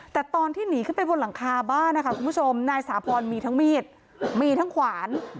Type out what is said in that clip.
แต่ตอนที่หนีขึ้นไปบนหลังคาบ้านนะคะคุณผู้ชมนายสาพรมีทั้งมีดมีทั้งขวาน